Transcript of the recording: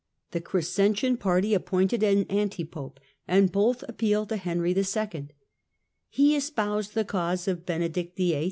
The Crescentian party appointed an anti pope, and both appealed to Henry 11. He espoused the cause of Benedict VIIT.